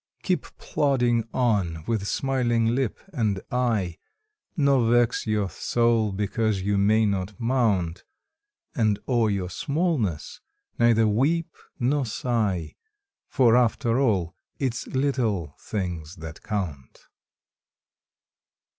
Keep plodding on with smiling lip and eye, Nor vex your soul because you may not mount, And o'er your smallness neither weep nor sigh, For, after all, it's little things that count!